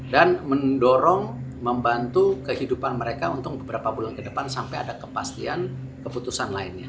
mendorong membantu kehidupan mereka untuk beberapa bulan ke depan sampai ada kepastian keputusan lainnya